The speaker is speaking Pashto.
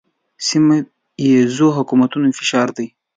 سیمه ییزو حکومتونو فشار دی.